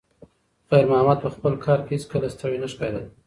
خیر محمد په خپل کار کې هیڅکله ستړی نه ښکارېده.